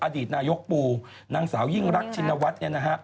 อดีตนายกปูนางสาวยิ่งรักชินวัฒน์